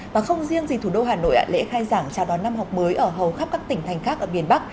và không riêng gì thủ đô hà nội lễ khai giảng chào đón năm học mới ở hầu khắp các tỉnh thành khác ở miền bắc